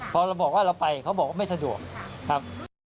พอเราบอกว่าเราไปเขาบอกว่าไม่สะดวกครับ